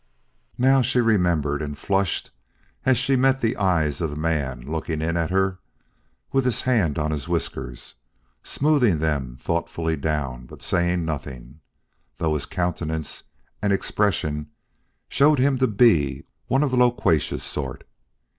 Now she remembered and flushed as she met the eyes of the man looking in at her with his hand on his whiskers, smoothing them thoughtfully down but saying nothing, though his countenance and expression showed him to be one of the loquacious sort.